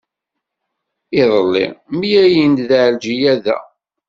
Iḍelli, mlalen-d Ɛelǧiya da.